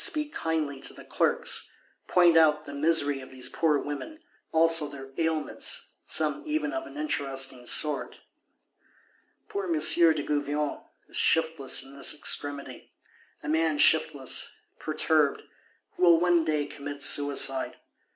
speak kindly to the Clerks; point out the misery of these poor women; also their ailments, some even of an interesting sort. Poor M. de Gouvion is shiftless in this extremity;—a man shiftless, perturbed; who will one day commit suicide.